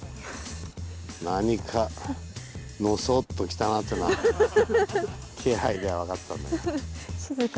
何かのそっと来たなっていうのは気配では分かったんだけど。